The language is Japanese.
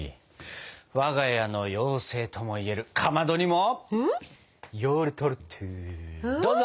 我が家の妖精ともいえるかまどにもヨウルトルットゥどうぞ！